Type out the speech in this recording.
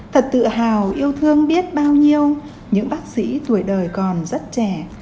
thật tự hào yêu thương biết bao nhiêu những bác sĩ tuổi đời còn rất trẻ